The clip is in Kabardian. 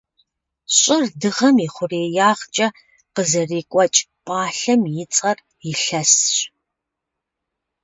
Щӏыр Дыгъэм и хъуреягъкӏэ къызэрекӏуэкӏ пӏалъэм и цӏэр илъэсщ.